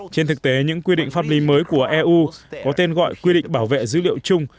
trên thực tế những quy định pháp lý mới của eu có tên gọi quy định bảo vệ dữ liệu chung